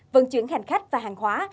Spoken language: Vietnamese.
vân chuyển hành khách và hàng hóa